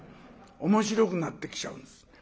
面白くなってきちゃうんです。